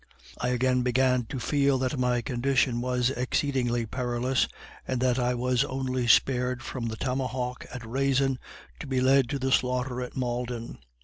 I again began to feel that my condition was exceedingly perilous, and that I was only spared from the tomahawk at Raisin, to be led to the slaughter at Malden.